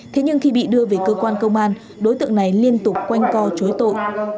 thế nhưng khi bị đưa về cơ quan công an đối tượng này liên tục quanh co chối tội